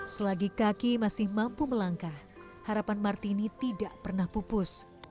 selagi kaki masih mampu melangkah harapan martini tidak pernah pupus